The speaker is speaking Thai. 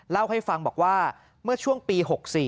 เล่าให้ฟังบอกว่าเมื่อช่วงปี๖๔